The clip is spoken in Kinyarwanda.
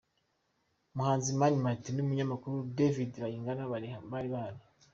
Umuhanzi Mani Martin n'umunyamakuru David Bayingana bari bahari.